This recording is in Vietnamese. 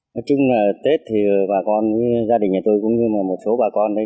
nói chung là tết thì bà con với gia đình nhà tôi cũng như một số bà con đấy